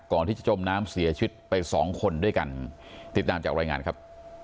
ก่อนที่จะจมน้ำเสียชีวิตไปสองคนด้วยกันติดตามจากรายงานครับ